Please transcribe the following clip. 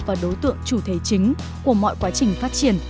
và đối tượng chủ thể chính của mọi quá trình phát triển